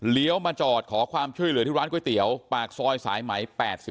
มาจอดขอความช่วยเหลือที่ร้านก๋วยเตี๋ยวปากซอยสายไหม๘๐